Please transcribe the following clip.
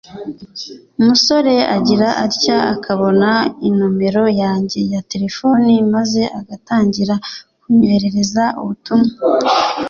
umusore agira atya akabona inomero yanjye ya telefoni maze agatangira kunyoherereza ubutumwa